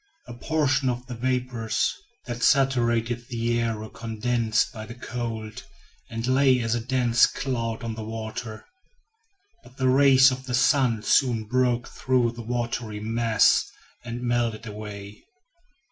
A portion of the vapors that saturated the air were condensed by the cold, and lay as a dense cloud on the water. But the rays of the sun soon broke through the watery mass and melted it away.